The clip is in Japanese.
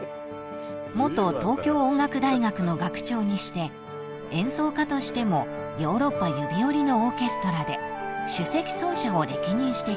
［元東京音楽大学の学長にして演奏家としてもヨーロッパ指折りのオーケストラで首席奏者を歴任してきた